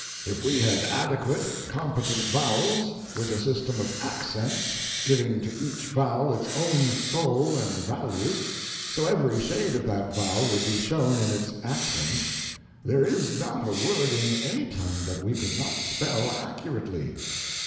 If we had adequate, competent vowels, with a system of accents, giving to each vowel its own soul and value, so every shade of that vowel would be shown in its accent, there is not a word in any tongue that we could not spell accurately.